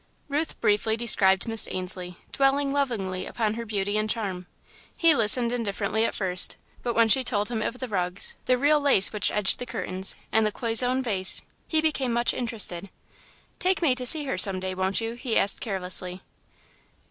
Ruth briefly described Miss Ainslie, dwelling lovingly upon her beauty and charm. He listened indifferently at first, but when she told him of the rugs, the real lace which edged the curtains, and the Cloisonne vase, he became much interested. "Take me to see her some day, won't you," he asked, carelessly.